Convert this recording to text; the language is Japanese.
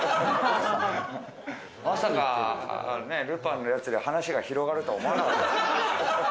まさかルパンのやつで話が広がるとは思ってなかった。